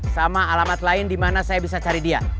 sama alamat lain dimana saya bisa cari dia